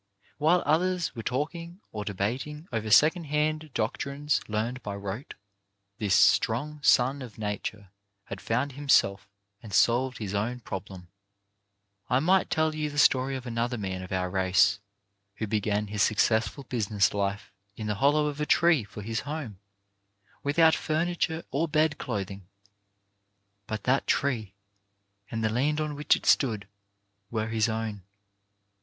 While others were talking, or debating over second hand doctrines learned by rote, this strong son of nature had found himself and solved his own problem: I might tell you the story of another man of our race who began his successful business life in the hollow of a tree for his home; without furniture or bed clothing. But that tree, and the land on which it stood, were his own.